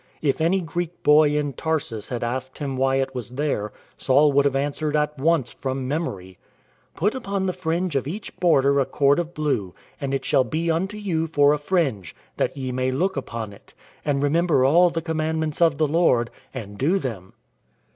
If any Greek boy in Tarsus had asked him why it was there Saul would have answered at once from memory :" Put upon the fringe of each border a cord of blue: And it shall be unto you for a fringe, That ye may look upon it, And remember all the commandments of the Lord, And do them."